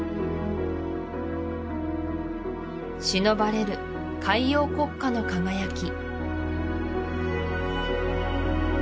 しのばれる海洋国家の輝き